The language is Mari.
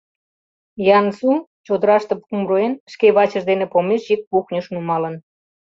Ян-Су чодыраште пум руэн, шке вачыж дене помещик кухньыш нумалын.